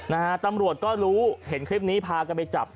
นะฮะตำรวจก็รู้เห็นคลิปนี้พากันไปจับ